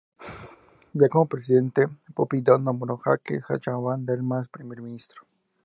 Ya como presidente, Pompidou nombró a Jacques Chaban-Delmas primer ministro.